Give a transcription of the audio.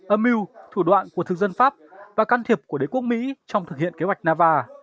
âm mưu thủ đoạn của thực dân pháp và can thiệp của đế quốc mỹ trong thực hiện kế hoạch nava